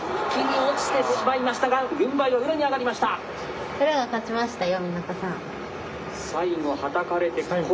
落ちてしまいましたが軍配は宇良に上がりました。